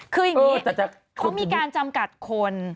คืออย่างนี้เขามีการจำกัดคน